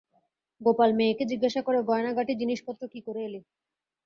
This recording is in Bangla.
গোপাল মেয়েকে জিজ্ঞাসা করে, গয়নাগাটি জিনিসপত্র কী করে এলি?